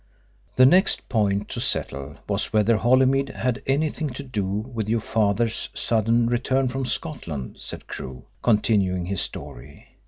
"The next point to settle was whether Holymead had had anything to do with your father's sudden return from Scotland," said Crewe, continuing his story.